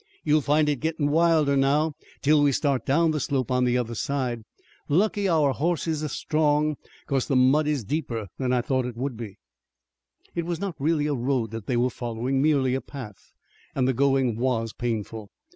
You'll find it gettin' wilder now 'till we start down the slope on the other side. Lucky our hosses are strong, 'cause the mud is deeper than I thought it would be." It was not really a road that they were following, merely a path, and the going was painful.